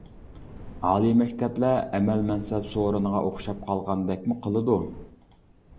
ئالىي مەكتەپلەر ئەمەل-مەنسەپ سورۇنىغا ئوخشاپ قالغاندەكمۇ قىلىدۇ.